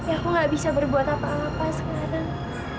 aku gak bisa berbuat apa apa sekarang